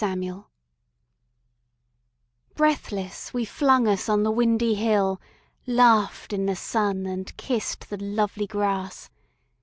The Hill Breathless, we flung us on the windy hill, Laughed in the sun, and kissed the lovely grass.